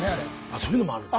あそういうのもあるの？